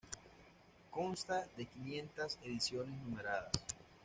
Consta de quinientas ediciones numeradas.